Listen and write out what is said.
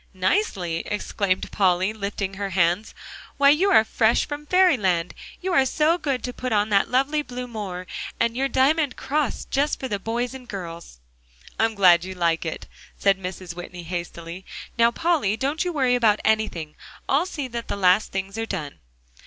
"Nicely?" exclaimed Polly, lifting her hands, "why you are fresh from fairyland. You are so good to put on that lovely blue moire and your diamond cross, just for the boys and girls." "I am glad you like it," said Mrs. Whitney hastily. "Now, Polly, don't you worry about anything; I'll see that the last things are done."